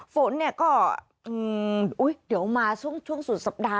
ฝนเนี่ยก็อืมอุ้ยเดี๋ยวมาช่วงช่วงสุดสัปดาห์